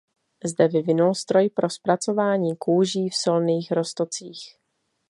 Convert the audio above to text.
Zde vyvinul stroj pro zpracování kůží v solných roztocích.